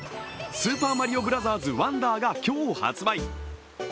「スーパーマリオブラザーズワンダー」が今日発売。